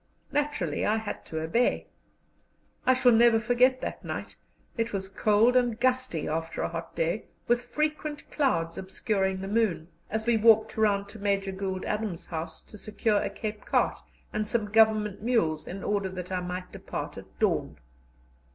Naturally I had to obey. I shall never forget that night: it was cold and gusty after a hot day, with frequent clouds obscuring the moon, as we walked round to Major Gould Adams's house to secure a Cape cart and some Government mules, in order that I might depart at dawn.